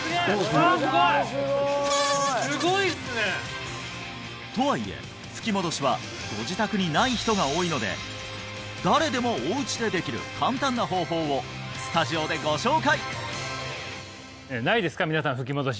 わあすごいとはいえ吹き戻しはご自宅にない人が多いので誰でもお家でできる簡単な方法をスタジオでご紹介！